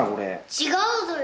違うぞよ。